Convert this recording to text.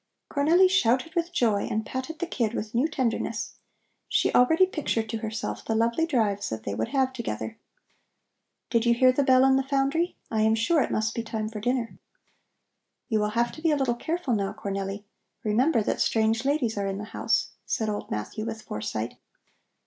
Cornelli shouted with joy and patted the kid with new tenderness. She already pictured to herself the lovely drives that they would have together. "Did you hear the bell in the foundry? I am sure it must be time for dinner. You will have to be a little careful now, Cornelli. Remember that strange ladies are in the house," said old Matthew with foresight.